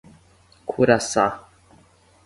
Curaçá